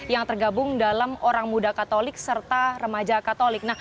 yang tergabung dalam orang muda katolik serta remaja katolik